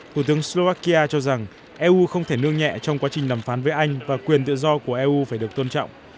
thủ tướng slovakia cho rằng eu không thể nương nhẹ trong quá trình đàm phán với anh và quyền tự do của eu phải được tôn trọng